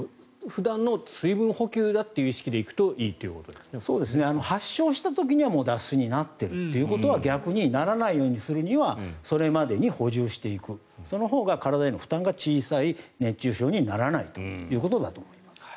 普段の水分補給という意識で行くと発症した時にはもう脱水になっているということは逆にならないようにするためにはそれまでに補充していくそのほうが体への負担が小さい熱中症にならないということだと思います。